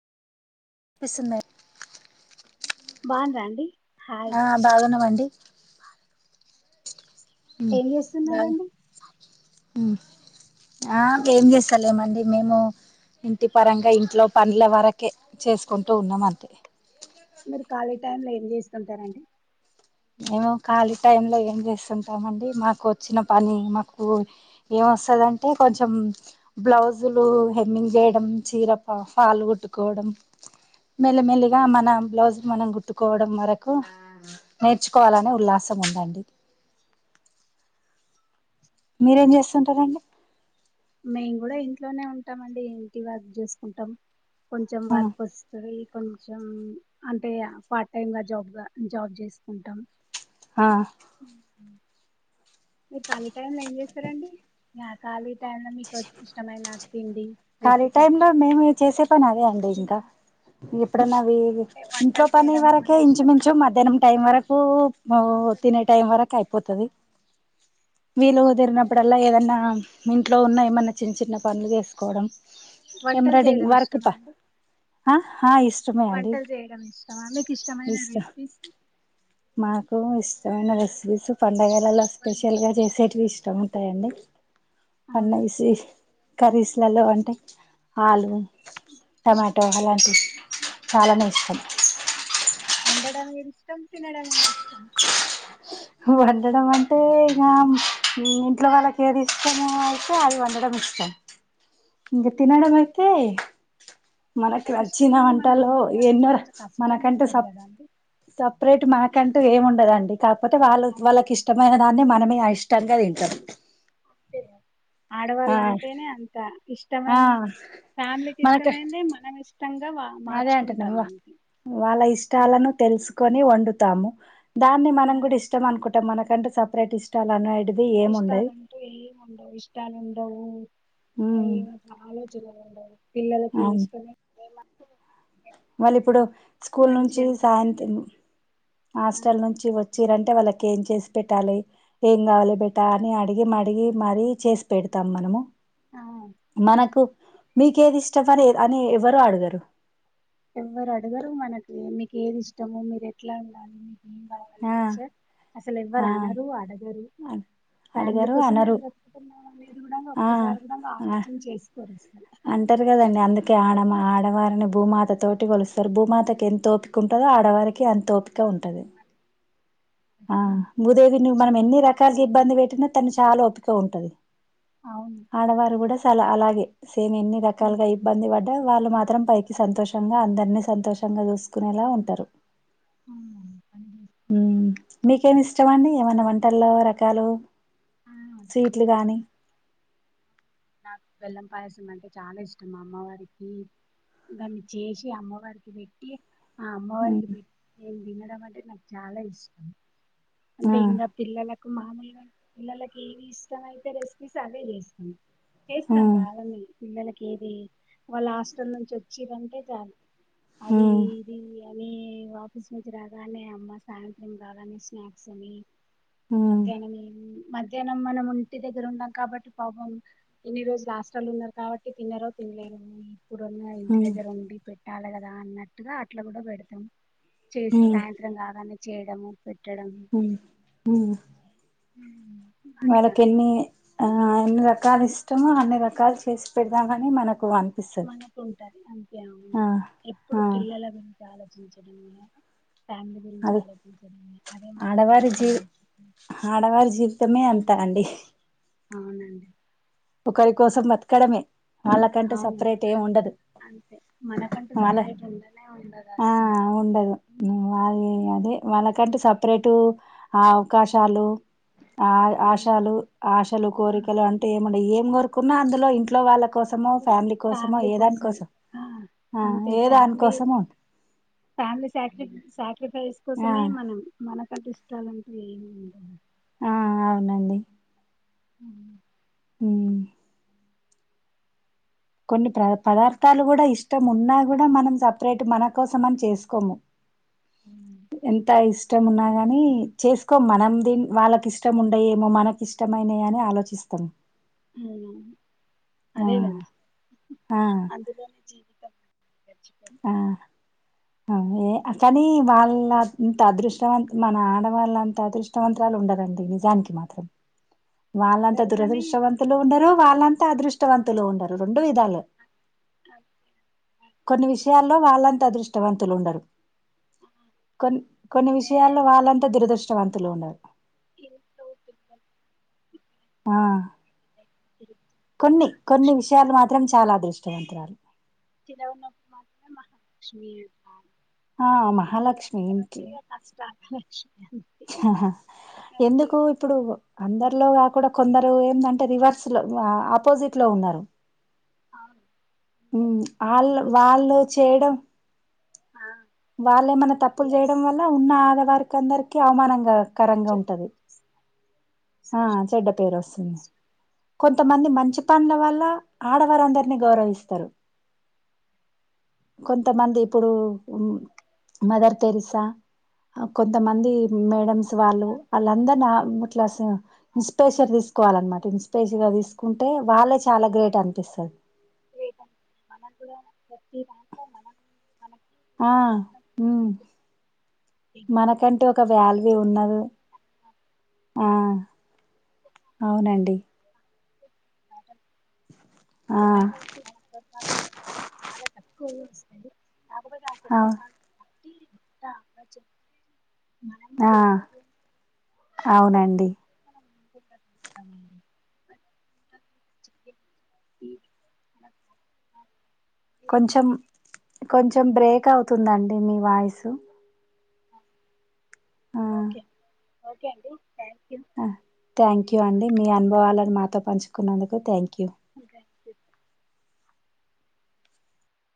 విస్తుందా బాగున్రండీ ఆ బాగున్నామండి ఏం బాగు చేస్తున్నారండి ఆ ఏం చేస్తలేమండి మేము ఇంటి పరంగా ఇంట్లో పనుల వరకే చేసుకుంటూ ఉన్నాం అంతే మీరు ఖాళీ టైంలో ఏం చేస్తూ ఉంటారండి మేము ఖాళీ టైం లో ఏం చేస్తుంటామండి మాకు వచ్చిన పని మాకు ఏం వస్తుందంటే కొంచెం బ్లౌజులు హెమ్మింగ్ చేయడం చీర ఫల్ కుట్టుకోవడం మెల్లిమెల్లిగా మన బ్లౌజ్లు మనం గుట్టుకోవడం వరకు నేర్చుకోవాలనే ఉల్లాసం ఉందండి మీరేం చేస్తుంటారండి మేము కూడా ఇంట్లోనే ఉంటం అండి ఇంటి వర్క్ చూసుకుంటాం కొంచెం ఆ వర్క్ ఓస్తది కొంచం అంటే పార్ట్ టైమ్ గా జాబ్ గా జాబ్ చేసుకుంటాం ఆ మీరు ఖాళీ టైం లో ఏం చేస్తారండి నా ఖాళీ టైమ్ లో మీకు ఇష్టమైన తిండి ఖాళీ రెసిపీస్ టైంల మేము చేసే పని అదే అండి ఇంకా తినడానికి ఇప్పుడన్నవి ఇంట్లో వంటలు పని చేయడం వరకే ఏమన్నా ఇష్టమా ఇంచుమించు మీకు మధ్యాహ్నం టైం వరకు తినే టైం వరకు అయిపోతది వీలుదిరినప్పుడల్ ఏదన్నా ఇంట్లో ఉన్నా ఏమన్న చిన్న చిన్న పనులు చేసుకోవడం. వంటలు ఎంబ్రాయిడింగ్ చేయడం వర్క్ ప ఇష్టమా అండి. ఆ ఆ ఇష్టమే అండి వంటలు చేయడం ఇష్టమా మీకు ఇష్టమైన ఇష్టం రెసిపీస్ మాకు ఇష్టమైన రెసిపీస్ పండగ పండగలల్ల స్పెషల్ గా చేసేటివి ఇష్టం ఉంటాయండి. ఆ పండగ స్పెష కర్రీస్ ల్లలో అంటే ఆలు టమాటో అలాంటి చాలానే ఇష్టం వండడం ఏది ఇష్టం, తినడం ఏది ఇష్టం. వండడం అంటే ఇగ ఇంట్లో వాళ్ళకి ఏది ఇష్టం అయితే అది వండడం ఇష్టం. ఇంగ తినడమైతే మనకి నాకు నచ్చిన ఇష్టమైంది మనం వంటలో వండుకోవాలంటే ఎన్నోరా కొంచెం కష్టంగా మనకంటే ఉంటది సప కదా అండి సపరేట్ మన కంటూ ఏముండదండి. కాకపోతే వాళ్ళు వాళ్ళకి ఇష్టమైన దాన్ని మనమే అయిష్టంగా తింటం. [unintelligible] ఆడవాళ్ళంటేనే అంత ఇష్టమై ఆ ఫ్యామిలీకి మనకు ఇష్టమైంది మనం ఇష్ అదే అంటాన్న వా వాళ్ళ ఆ, ఇష్టాలను తెలుసుకో కొని వండుతాము. దాన్ని ఆ, మనం కూడా ఇష్టం అనుకుం టం మనకంటూ సపరేట్ ఇష్టాలు అనే ఇష్టాలంటూ ఏమ్ ఉండవు ఇష్టాలుం డవు ఉమ్ [unintelligible] చాలా [unintelligible] ఉండవు పిల్లలకి ఇష్టం [inaudible] మళ్ల ఇప్పుడు స్కూల్ నుంచి మంచిగా అనిపిస్తుంది. సాయంత్రం ఆ హాస్టల్ నుంచి వచ్చిరం టే వాళ్ళకి ఏం చేసి పెట్టాలి, ఏం కావాలి బెటా అని అడిగి మడిగి మరి చేసి పెడతాం మనము. ఆ మనకు మీకేది ఇష్టం అని అని ఎవరు అడగరు. ఎవరు అడగరు మనకి మీకు ఏది ఇష్టము మీరు ఎట్లా ఉండాలి. ఏం ఆ కావాలని సార్ అసలు ఆ ఎవ్వరు అనరు, అడగరు. ఫ్యామిలీ అడగరు కోసమే అనరు బ్రతుకుతున్నా మీరు కూడాంగా ఆ ఒక్కసారి కూడాంగా ఆ ఆలోచన చేసుకోరు. అసలు అంటారు కదండి అందుకే ఆడ ఆడవారిని భూమాత తోటి కొలుస్తరు, భూమాతకి ఎంత ఓపిక ఉంటదో ఆడవారి కి అంత ఒపిక ఆ, ఉంటది. వాళ్ళకి ఆ ప్రతిదీ భూదేవిని మనం చిన్న ఎన్ని రకాలుగా ఇబ్బంది పెట్టినా తను చాలా ఒపికగ ఉంటది. అవును ఆడవారు కూడ టాళ్ అలాగే సేమ్ ఎన్ని ఉమ్, రకాలుగా ఇబ్బంది పడ్ డ వాళ్ళు మాత్రం పైకి సంతోషంగా అందరినీ సంతోషంగా చూసుకునేలా ఉంటరు. హ్మూ హ్మ్ మీకేమి ఇస్ ష్టం అండి చేస్తాను. ఏమన్నా వంట లో రకాలు ఆ, స్వీట్లు గానీ నాకు బెల్లం పాయసం అంటే చాలా ఇష్టం. అమ్మవారికి దాన్ని చేసి అమ్మవారికి పెట్టి, ఆ హ్మ్. అమ్మవారికి పెట్టి నేను తినడం అంటే నాకు చాల ఇష్టం. ఆ! అంటే ఇంగ పిల్లల మామయ్య గారి పిల్లలకి ఏమి ఇష్టమైతే రెసిపీస్ అవే చేస్తాం చేస్తాం హ్మ్. బాగనే పిల్లలకి ఏది వాళ్ళ హాస్టల్ నుంచి వచ్చిరంటే చాలు, అది హ్మ్. ఇది కానీ ఆఫీస్ నుంచి రాగానే అమ్మ సాయంత్రం కాగానే స్నాక్స్ అని హ్మ్. మధ్యాహ్నం మేమ్ మధ్యాహ్నం మనం ఇంటి దగ్గర ఉన్నం కాబట్టి పాపం ఇన్ని రోజులు హాస్టల్లో ఉన్నారు కాబట్టి తిన్నారో తినలేదో ఇప్పుడున్న ఇంటి హ్మ్. దగ్గర ఒండి పెట్టి రాలే కదా అన్నట్టుగా అట్లా కూడ పెడతాం. చేసి సాయంత్రం కాగానే చేయడము పెట్టడం మ్ఁ మ్ఁ అట్లా మనకెన్నీ ఆ ఎన్ని రకాలు ఇష్టమో, అన్ని రకాలు చేసి పెడదాం కాని మనక్ మనకుంటది అంతే అవును ఆ! ఎప్పుడు ఆ! పిల్లల గురిం చి ఆలోచించడమే ఫ్యామిలీ గురించి అది ఆలోచించడమే, అదే మన ఆడవారి జీ లోకము. తా అండి అవునండి ఒకరి కోసం బతకడమే వాళ్ళకంటే అవును సపరేట్ ఏం ఉండదు అంతే మనకంటూ వాళ్ళ సపరేట్ ఉండనే ఉండదు ఆ అస్సలు ఉండదు వాళ్ళ ఉమ్, అదే వాళ్ళకంటే సపరేటు ఆ అవకాశాలు ఆ అవును ఆశలు ఆశలు ఆ, కోరికలు అంటే మనం ఏం కోరుకున్నా అందులో ఇంట్లో వాళ్ళ కోసమో అందర్ కోసమో ఫ్యామిలీ ఏదాని కోసం ఆ ఆ అంతే ఏదాని ఫ్యామిలీ కోసమో ఫ్యామిలీ సాక్రి సాక్రి ఫేస్ ఆ కోసమే మనం మనకంటు ఇష్టాలంటూ ఏమి లేవండి ఆ అవునండి ఊ ఊ కొన్ని ప్ర పదార్థాలు కూడా ఇష్టం ఉన్నా కూడా మనం సపరేట్ మన కోసం అని చేసుకోము అవునండి. ఎంత ఇస్ ష్టం ఉన్నా గాని చేసుకోం మనం దిన్ వాళ్ళకి ఇష్టం ఉండయేమో మనకి ఇష్టమైనయ్ అని ఆలోచిస్తాం అవునవును ఆ అదే కదా ఆ అందులోనే జీ ఇ [unintelligible] ఆ అవ్ ఏ అ కానీ వాళ్ళంత అదృష్టవంత మన ఆడవాళ్ళంత అదృష్టవంతరాలు ఉండరండి నిజానికి మాత్రం వాళ్ళంతా అందరు కాని దురదృష్టవంతులు ఉండరు వాళ్ళంతా అదృష్టవంతులు ఉండరు రొండు విధాలు అకే టవంతులు ఉండరు కొన్ని కొన్ని అంటే విషయాలు వాళ్ళంతా దురదృష్ చవంతులు ఉండరు ఈ రోజ్ డౌట్ చెప్పండి ఆ తిరుగుతుంటే కొన్ని మహా కొన్ని విషయాలు మా త్రం చాలా అదృష్టవంతురాలు చీరకొనపుడు మాత్రం మహాలక్ష్మి అంటారు ఆ మహాలక్ష్మి ఏంటి లక్ష్మి అన్ ఆహ ఎందుకు ఇప్పుడు అందరిలో గాకూడా కొందరు ఏందంటే రివర్స్ లో ఆ ఆపోజిట్ లో ఉన్నరు అవును ఊ అంతే ఈ ఆళ్ళు మధ్య వాళ్ళు చాలా చేయడం ఆ, ఈ వాళ్ళేమనా తప్పులు మీడియాస్ చేయడం వల్ల ఉన్న ఆడవారి కొందరికి అవమానంగా కరంగా ఉంటది ఆ సోషల్ చెడ్డ పేరు వస్తుంది కొంతమంది మంచి పనుల వల్ల ఆడవారు అందరినీ గౌరవిస్తారు కొంతమంది ఇప్పుడు ఊ మదర్ టెరిసా కొంతమంది మేడమ్స్ వాళ్ళు వాళ్ళందరునీ ఆ ఇట్లా ఇన్స్పిరేషన్ తీసుకోవాలన్నమాట ఇన్సరేషన్ గా తీసుకుంటే వాళ్ళ చాలా గ్రేట్ అనిపిస్తది బట్టి ఆ ఉమ్ మనకంటూ ఒక వ్యాల్యూ ఆలోచన ఉండదు ఆ అవునండి ఆ మేటర్టి సందర్భాల్ చాలా తక్ కొసడి కాకపోతే ఆ అవు సందర్భాల్ టీ తాగొచ్చు ఆ ఏ రంగంలో అవునండి మనం ముందుండగలుగుతామండి ఉమ్ కొంచెం కొంచం బ్రేక్ అవుతుందండి మీ వాయిసు ఆ ఓకే ఓకే అండి థ్యాంక్ యూ థ్యాంక్ యూ అండి మీ అనుభవాలను మాతో పంచుకున్నందుకు థ్యాంక్ యూ అంతే చ్